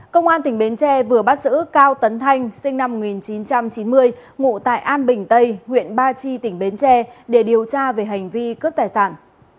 công an tỉnh bến tre vừa bắt giữ cao tấn thanh sinh năm một nghìn chín trăm chín mươi ngụ tại an bình tây huyện ba chi tỉnh bến tre để điều tra về hành vi cướp tài sản